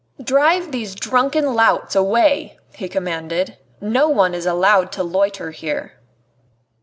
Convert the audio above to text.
"Drive these drunken louts away!" he commanded; "no one is allowed to loiter here."